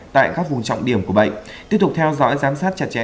tại các vùng trọng điểm của bệnh tiếp tục theo dõi giám sát chặt chẽ